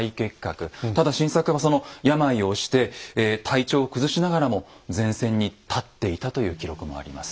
ただ晋作はその病を押して体調を崩しながらも前線に立っていたという記録もあります。